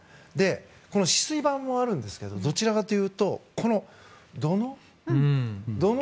止水板もあるんですけどどちらかというとこの土嚢。